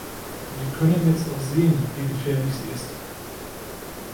Wir können jetzt auch sehen, wie gefährlich sie ist.